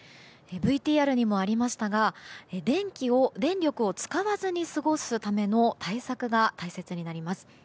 ＶＴＲにもありましたが電力を使わずに過ごすための対策が大切になります。